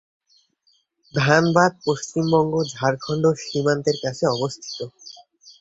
ধানবাদ পশ্চিমবঙ্গ-ঝাড়খন্ড সীমান্তের কাছে অবস্থিত।